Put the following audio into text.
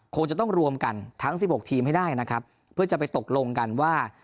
คงจะต้องรวมกันทั้งสิบหกทีมให้ได้นะครับเพื่อจะไปตกลงกันว่า